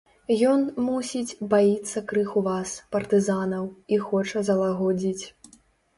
Ён, мусіць, баіцца крыху вас, партызанаў, і хоча залагодзіць.